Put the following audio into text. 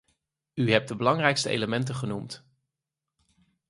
U hebt de belangrijkste elementen genoemd.